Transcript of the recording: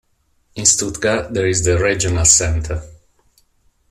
In Stuttgart there is the "Regional Center".